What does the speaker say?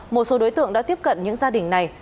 một số đối tượng đã tiếp cận những gia đình này